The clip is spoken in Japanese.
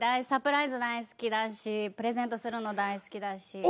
サプライズ大好きだしプレゼントするの大好きだし。